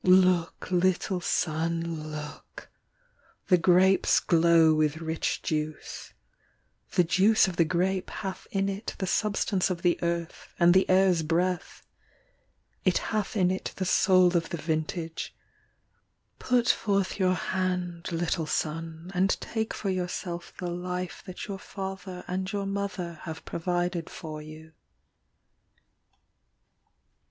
Look, little son, look: The grapes glow with rich juice, The juice of the grape hath in it The substance of the earth, And the air s breath; It hath in it the soul of the vintage. Put forth your hand, little son, And take for yourself the life That your father and your mother Have provided for you.